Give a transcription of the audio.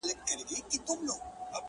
یاجوج ماجوج دي ښه په خبر یې!.